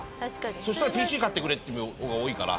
そしたらＰＣ買ってくれっていう子が多いから。